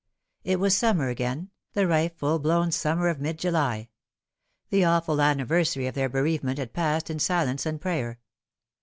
It was summer again, the ripe full blown summer of mid July. The awful anniversary of their bereavement had passed in silence and prayer.